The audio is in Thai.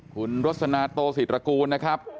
คุณศนโตศรีตระสุนนะครับ